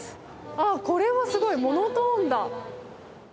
ああこれはすごいモノトーンだ。